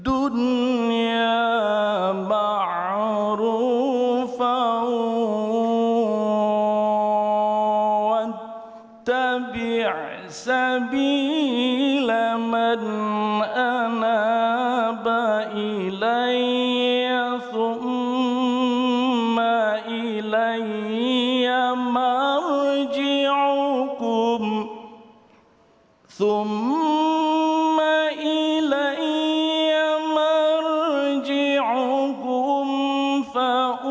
untuk ayah tercinta